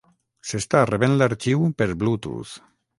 S'està rebent l'arxiu per bluetooth.